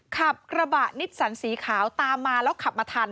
ขับกระบะนิสสันสีขาวตามมาแล้วขับมาทัน